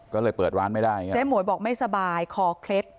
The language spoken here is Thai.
ก็เลยเปิดร้านไม่ได้ไงเจ๊หมวยบอกไม่สบายคอเคล็ด